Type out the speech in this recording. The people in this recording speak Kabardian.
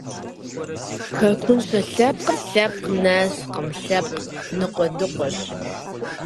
Хэкуншэ лъэпкъыр лъэпкъ нэскъым, лъэпкъ ныкъуэдыкъуэщ.